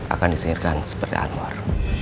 akan disingkirkan seperti anwar